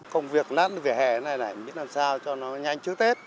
công việc lăn vỉa hè này này mình nghĩ làm sao cho nó nhanh trước tết